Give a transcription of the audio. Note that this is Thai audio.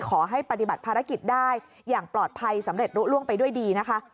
ขอให้ปฏิบัติภารกิจได้อย่างปลอดภัยสำเร็จรู้ล่วงไปด้วยดีนะคะ